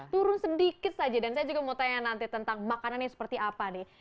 turun sedikit saja dan saya juga mau tanya nanti tentang makanan yang seperti apa nih